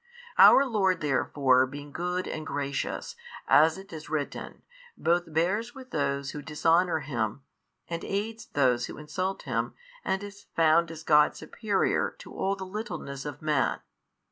Our Lord therefore being good and gracious, as it is written, both bears with those who dishonour Him and aids those who insult Him and is found as God superior to all the littleness of man.